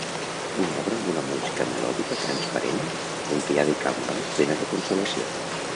Una obra amb una música melòdica, transparent, confiada i calmada, plena de consolació.